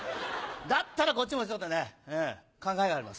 だったらこっちもちょっとね考えがあります。